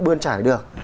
bươn trải được